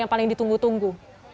yang paling ditunggu tunggu